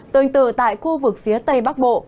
tương tự tại khu vực phía tây bắc bộ